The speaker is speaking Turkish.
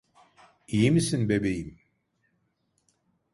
İyi misin bebeğim?